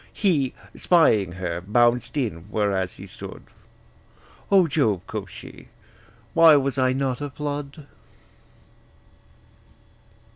He, spying her, bounced in, whereas he stood: 'O Jove,' quoth she, 'why was not I a flood!'